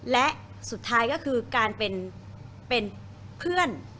และสุดท้ายก็คือการเป็นเพื่อน